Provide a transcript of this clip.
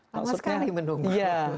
lama sekali menunggu